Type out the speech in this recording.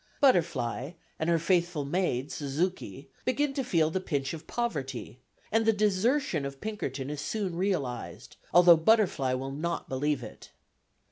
Butterfly and her faithful maid Suzuki begin to feel the pinch of poverty, and the desertion of Pinkerton is soon realised, although Butterfly will not believe it.